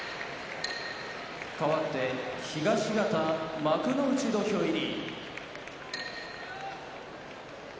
かわって東方幕内土俵入り。